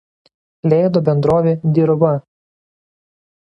Leido bendrovė „Dirva“.